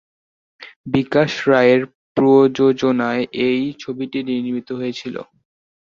বিকাশ রায়ের প্রযোজনায় এই ছবিটি নির্মিত হয়েছিল।